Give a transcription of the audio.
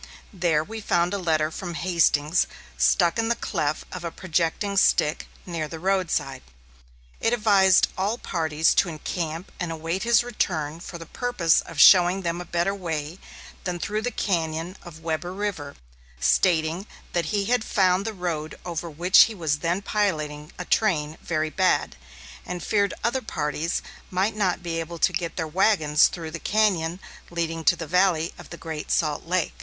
There we found a letter from Hastings stuck in the cleft of a projecting stick near the roadside. It advised all parties to encamp and await his return for the purpose of showing them a better way than through the cañon of Webber River, stating that he had found the road over which he was then piloting a train very bad, and feared other parties might not be able to get their wagons through the cañon leading to the valley of the Great Salt Lake.